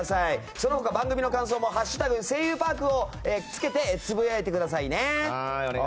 その他、番組の感想も「＃声優パーク」をつけてつぶやいてくださいね。